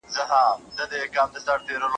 چې تاسې دومره نغدې پيسې نه دي اخیستي.